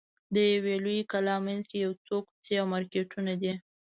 د یوې لویې کلا منځ کې یو څو کوڅې او مارکېټونه دي.